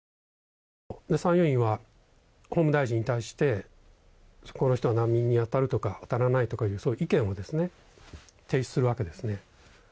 参与員は法務大臣に対してこの人は難民に当たるとか当たらないとかいう意見を提出するわけですね。